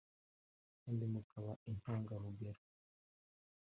kandi mukaba intangarugero